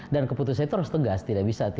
dan keputusan itu harus tegas tidak bisa